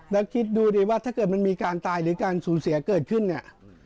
แล้วคิดดูดิว่าถ้าเกิดมันมีการตายหรือการสูญเสียเกิดขึ้นเนี่ย